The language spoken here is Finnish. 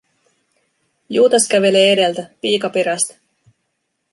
Juutas kävelee edeltä, piika perästä.